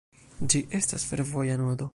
Ĝi estas fervoja nodo.